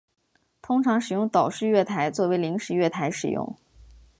通常使用岛式月台作为临时月台使用。